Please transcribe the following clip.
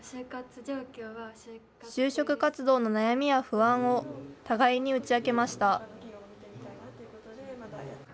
就職活動の悩みや不安を互いに打ち明けました。